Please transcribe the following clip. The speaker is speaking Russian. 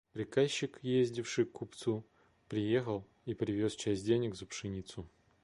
Приказчик, ездивший к купцу, приехал и привез часть денег за пшеницу.